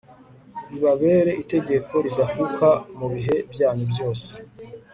ribabere itegeko ridakuka mu bihe byanyu byose